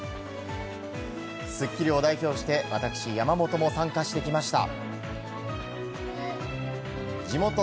『スッキリ』を代表して私、山本も参加してきました。